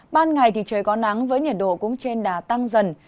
ban ngày thì trời có nắng với nhiệt độ cũng trên đà tăng dần